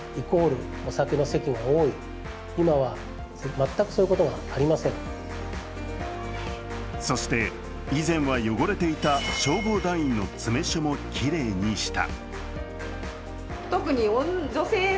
更にその支払い方法についてもそして以前は汚れていた消防団員の詰め所もきれいにした。